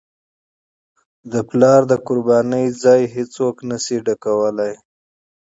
د پلار قرباني هیڅوک نه شي جبران کولی.